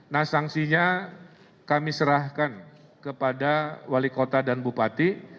nah sanksinya kami serahkan kepada wali kota dan bupati